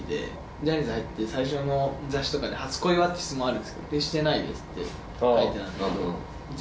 ジャニーズ入って、最初の雑誌とかで、初恋はっていう質問あるんですけど、してないですって書いなるほど。